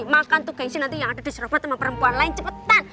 makan tuh gengsi nanti yang ada di sofa sama perempuan lain cepetan